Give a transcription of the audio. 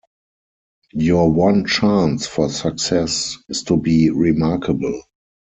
Your one chance for success is to be remarkable.